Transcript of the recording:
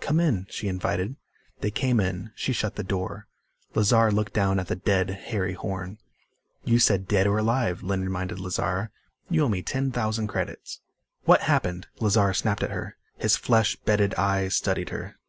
"Come in," she invited. They came in. She shut the door. Lazar looked down at the dead Harry Horn. "You said dead or alive," Lynn reminded Lazar. "You owe me ten thousand credits." "What happened?" Lazar snapped at her. His flesh bedded eyes studied her.